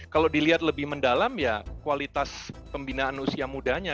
kalau dilihat lebih mendalam ya kualitas pembinaan usia mudanya